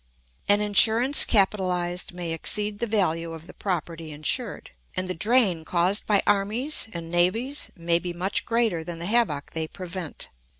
An insurance capitalised may exceed the value of the property insured, and the drain caused by armies and navies may be much greater than the havoc they prevent.